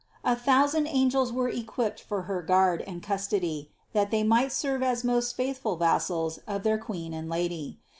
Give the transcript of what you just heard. A thousand an gels were equipped for her guard and custody, that they might serve as most faithful vassals of their Queen and Lady.